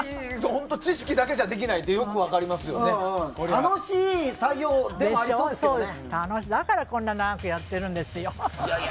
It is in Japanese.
本当、知識だけじゃできないって楽しい作業でもだからこんな長くやってるんですよ。